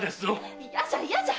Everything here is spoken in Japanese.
〔嫌じゃ嫌じゃ！